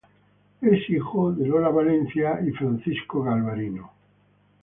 Es hijo de Francisco Galvarino Cooper y Lola Valencia.